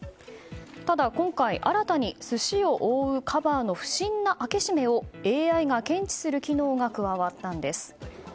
ただ、今回新たに寿司を覆うカバーの不審な開け閉めをＡＩが検知する機能が加わったんです。